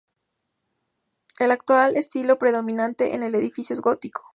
El actual estilo predominante en el edificio es gótico.